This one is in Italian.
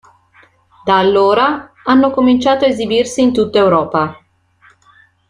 Da allora, hanno cominciato a esibirsi in tutta Europa.